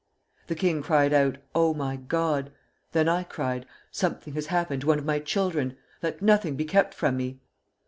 The king cried out: 'Oh, my God!' Then I cried: 'Something has happened to one of my children! Let nothing be kept from me!'